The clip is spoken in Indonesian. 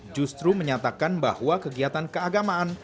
justru menyatakan bahwa kegiatan keagamaan